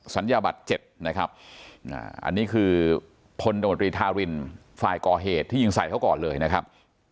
สัญญาบัตร๗นะครับอันนี้คือพลตมตรีทารินฝ่ายก่อเหตุที่ยิงใส่เขาก่อนเลยนะครับ